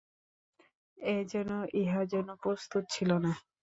সে যেন ইহার জন্য প্রস্তুত ছিল না।